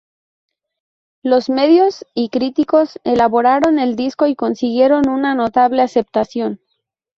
Los medios y críticos alabaron el disco y consiguieron una notable aceptación.